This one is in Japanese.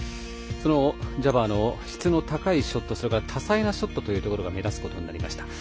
ジャバーの質の高いショット多彩なショットが目立つことになりました。